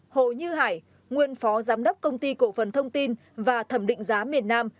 bốn hồ như hải nguyên phó giám đốc công ty cổ phần thông tin và thẩm định giá miền nam